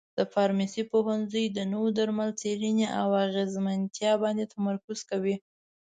د فارمسي پوهنځی د نوو درملو څېړنې او اغیزمنتیا باندې تمرکز کوي.